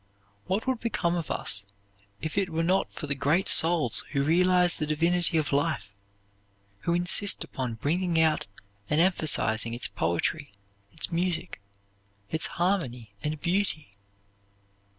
What would become of us if it were not for the great souls who realize the divinity of life, who insist upon bringing out and emphasizing its poetry, its music, its harmony and beauty?